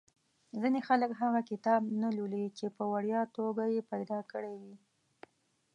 ځینې خلک هغه کتاب نه لولي چې په وړیا توګه یې پیدا کړی وي.